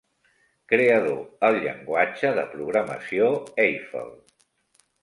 Creador el llenguatge de programació Eiffel.